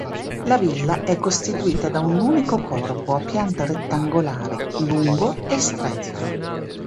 La villa è costituita da un unico corpo a pianta rettangolare lungo e stretto.